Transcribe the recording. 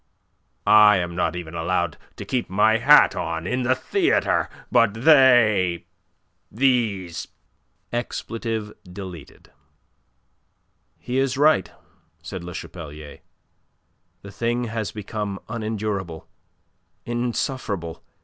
I am not even allowed to keep my hat on in the theatre. But they these s!" "He is right," said Le Chapelier. "The thing has become unendurable, insufferable.